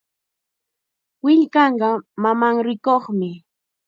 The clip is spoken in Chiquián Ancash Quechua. Willkanqa mamanrikuqmi.